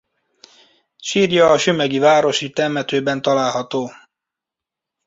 Sírja a sümegi Városi temetőben található.